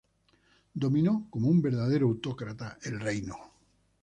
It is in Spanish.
Dominó, como un verdadero autócrata, el reino.